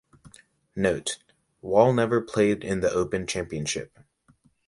Note: Wall never played in The Open Championship.